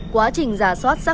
quá trình giả soát xác